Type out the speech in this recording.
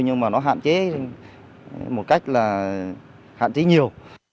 nhưng mà nó hạn chế một cách là hạn chế nhiều